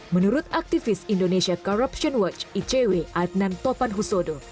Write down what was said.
menurut aktivis indonesia corruption watch icw adnan topanhusodo